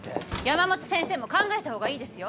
山本先生も考えた方がいいですよ。